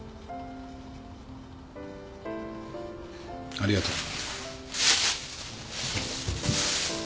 ありがとう。